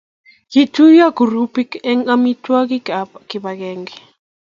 Kituyo grupit emg amitwokik ab kipagenge